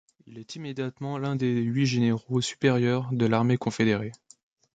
Il est immédiatement l'un des huit généraux supérieurs de l'Armée confédérée.